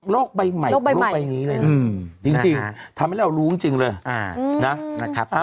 ใบใหม่ของโลกใบนี้เลยนะจริงทำให้เรารู้จริงเลยนะครับ